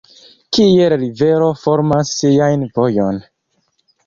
Kiel rivero formas sian vojon.